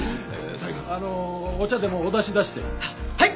西郷お茶でもお出し出してはい！